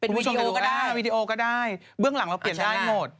สองคุณผู้ชมได้ดูก็ได้เบื้องหลังเราเปลี่ยนได้หมด